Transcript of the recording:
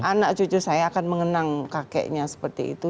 anak cucu saya akan mengenang kakeknya seperti itu